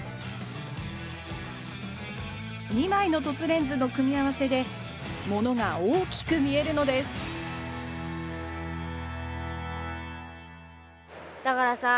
２枚の凸レンズの組み合わせでものが大きく見えるのですだからさ